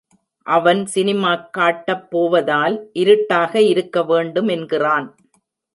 அவன் சினிமாக் காட்டப் போவதால் இருட்டாக இருக்க வேண்டுமென்கிறான்.